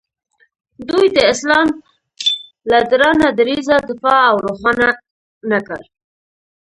دوی د اسلام له درانه دریځه دفاع او روښانه نه کړ.